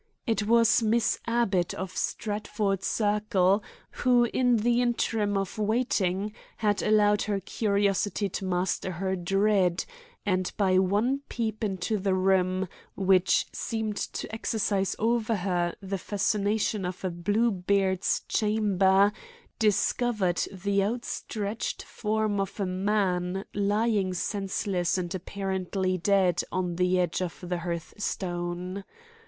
It was Miss Abbott of Stratford Circle, who in the interim of waiting had allowed her curiosity to master her dread, and by one peep into the room, which seemed to exercise over her the fascination of a Bluebeard's chamber, discovered the outstretched form of a man lying senseless and apparently dead on the edge of the hearthstone.